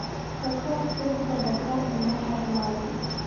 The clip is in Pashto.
پر سر سترګو به د هر مېلمه هر ناز و